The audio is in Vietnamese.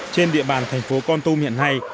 trên địa bàn thành phố con tum hiện nay